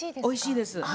おいしいです。